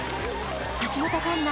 橋本環奈